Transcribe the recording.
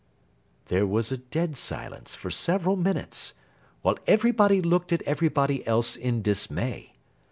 There was a dead silence for several minutes, while everybody looked at everybody else in dismay.